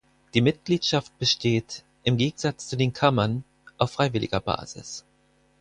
Die Mitgliedschaft besteht, im Gegensatz zu den Kammern, auf freiwilliger Basis.